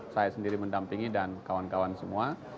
saya sendiri mendampingi dan kawan kawan semua